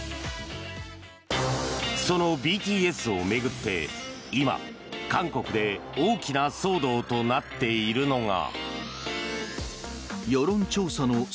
そのＢＴＳを巡って今、韓国で大きな騒動となっているのが。